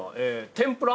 天ぷら？